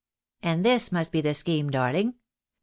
And this must be the scheme, darling.